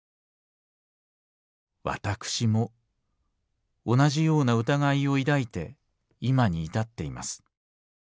私も同じような疑いを抱いて今に至っています。